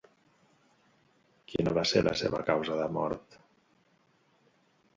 Quina va ser la seva causa de mort?